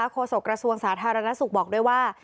โศกระทรวงสาธารณสุขบอกด้วยว่า